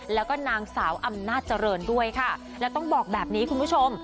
แล้วก็นางสาวอำนาจเจริญด้วยค่ะแล้วต้องบอกแบบนี้คุณผู้ชม